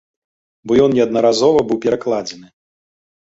Бо ён неаднаразова быў перакладзены.